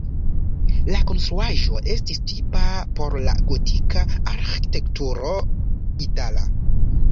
La konstruaĵo estas tipa por la gotika arĥitekturo itala.